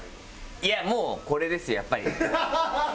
いやもうこれですやっぱり。